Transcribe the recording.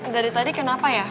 dari tadi kenapa ya